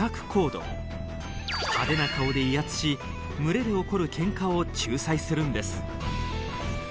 派手な顔で威圧し群れで起こるけんかを仲裁するんです。